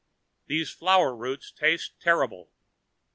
These flower roots taste terrible.